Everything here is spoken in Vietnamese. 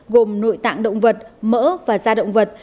gồm nội tạng động vật mỡ và da động vật